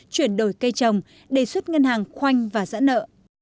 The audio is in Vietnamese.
chuyển đổi cây trồng đề xuất ngân hàng khoanh và giãn nợ